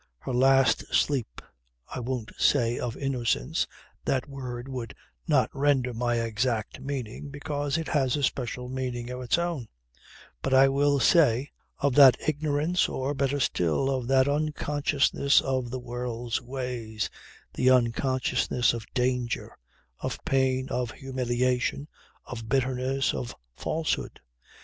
Her last sleep, I won't say of innocence that word would not render my exact meaning, because it has a special meaning of its own but I will say: of that ignorance, or better still, of that unconsciousness of the world's ways, the unconsciousness of danger, of pain, of humiliation, of bitterness, of falsehood.